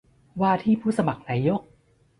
ว่าที่ผู้สมัครนายก